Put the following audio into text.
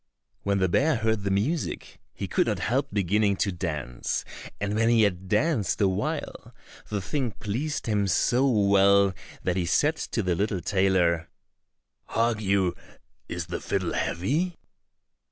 When the bear heard the music, he could not help beginning to dance, and when he had danced a while, the thing pleased him so well that he said to the little tailor, "Hark you, is the fiddle heavy?"